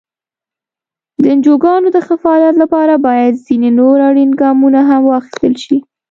د انجوګانو د ښه فعالیت لپاره باید ځینې نور اړین ګامونه هم واخیستل شي.